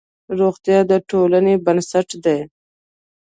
روغتیا د ټولنې بنسټ دی.